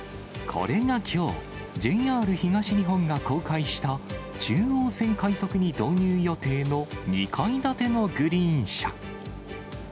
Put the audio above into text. これがきょう、ＪＲ東日本が公開した、中央線快速に導入予定の２階建てのグリーン車。